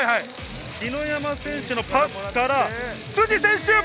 篠山選手のパスから辻選手！